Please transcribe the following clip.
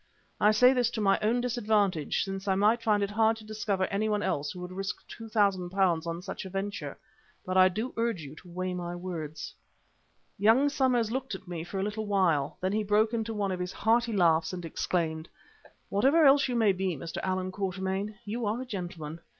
I say this to my own disadvantage, since I might find it hard to discover anyone else who would risk £2,000 upon such a venture, but I do urge you to weigh my words." Young Somers looked at me for a little while, then he broke into one of his hearty laughs and exclaimed, "Whatever else you may be, Mr. Allan Quatermain, you are a gentleman.